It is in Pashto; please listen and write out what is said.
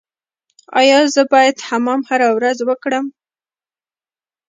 ایا زه باید حمام هره ورځ وکړم؟